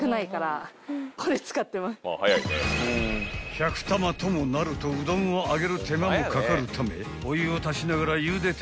［１００玉ともなるとうどんを上げる手間もかかるためお湯を足しながらゆでて一気にあげる］